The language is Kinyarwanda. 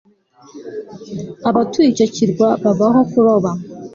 Abatuye icyo kirwa babaho kuroba